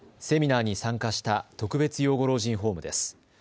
セミナーに参加した特別養護老人ホームです。